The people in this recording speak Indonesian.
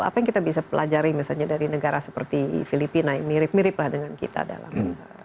apa yang kita bisa pelajari misalnya dari negara seperti filipina yang mirip mirip lah dengan kita dalam